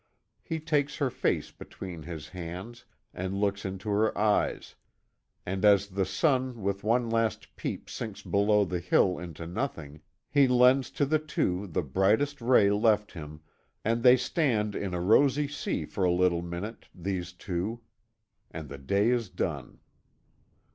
He takes her face between his hands and looks into her eyes, and as the sun with one last peep sinks below the hill into nothing, he lends to the two the brightest ray left him, and they stand in a rosy sea for a little minute these two! And the day is done.